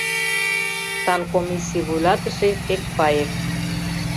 Санкомиссий вуйлатыше Пекпаев.